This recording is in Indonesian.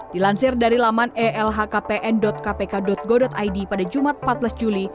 dilansir dari laman elhkpn kpk go id pada jumat empat belas juli